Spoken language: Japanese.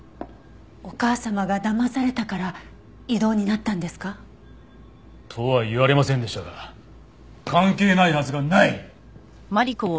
お母様がだまされたから異動になったんですか？とは言われませんでしたが関係ないはずがない！